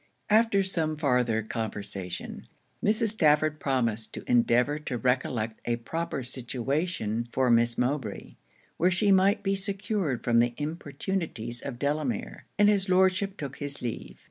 After some farther conversation, Mrs. Stafford promised to endeavour to recollect a proper situation for Miss Mowbray, where she might be secured from the importunities of Delamere; and his Lordship took his leave.